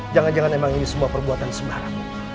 jangan jangan emang ini semua perbuatan sembara